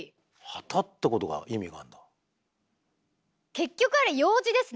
結局あれ楊枝ですね。